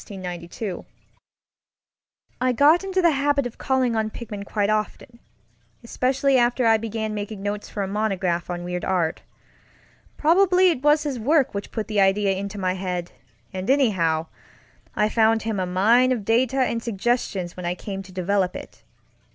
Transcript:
I got into the habit of calling on Pickman quite often, especially after I began making notes for a monograph on weird art. Probably it was his work which put the idea into my head, and anyhow, I found him a mine of data and suggestions when I came to develop it.